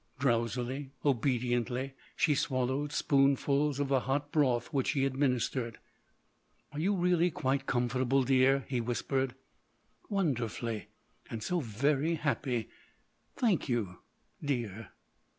Drowsily, obediently she swallowed spoonfuls of the hot broth which he administered. "Are you really quite comfortable, dear?" he whispered. "Wonderfully.... And so very happy.... Thank you—dear."